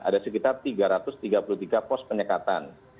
ada sekitar tiga ratus tiga puluh tiga pos penyekatan